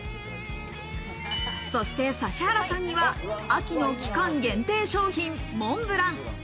そして指原さんには秋の期間限定商品モンブラン。